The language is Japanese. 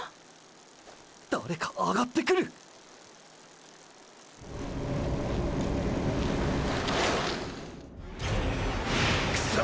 誰か上がってくる⁉くそ！！